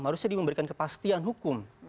harusnya diberikan kepastian hukum